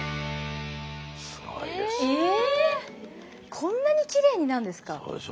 こんなにきれいになるんですか？